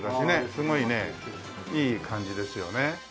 すごいねいい感じですよね。